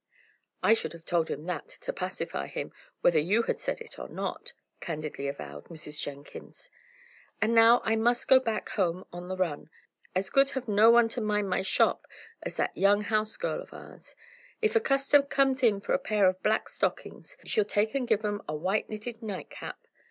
"I should have told him that, to pacify him, whether you had said it or not," candidly avowed Mrs. Jenkins. "And now I must go back home on the run. As good have no one to mind my shop as that young house girl of ours. If a customer comes in for a pair of black stockings, she'll take and give 'em a white knitted nightcap.